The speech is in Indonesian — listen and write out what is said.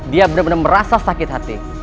dia benar benar merasa sakit hati